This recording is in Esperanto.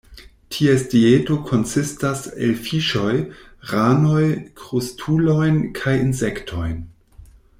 Ties dieto konsistas el fiŝoj, ranoj, krustulojn kaj insektojn.